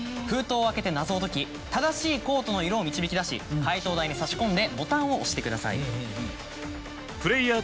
封筒を開けて謎を解き正しいコードの色を導き出し解答台に差し込んでボタンを押してください。